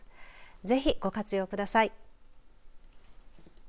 ぜひご活用ください。